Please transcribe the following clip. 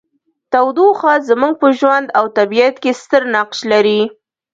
تودوخه زموږ په ژوند او طبیعت کې ستر نقش لري.